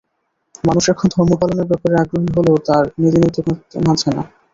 মানুষ এখন ধর্ম পালনের ব্যাপারে আগ্রহী হলেও তার নীতি-নৈতিকতা মানছে না।